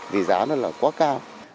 vì giá nó là quá cao